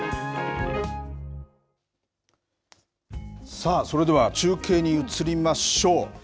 さあ、それでは中継に移りましょう。